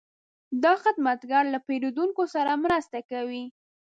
دا خدمتګر له پیرودونکو سره مرسته کوي.